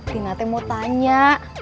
tinate mau tanya